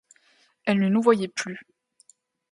Elle ne nous voyait plus !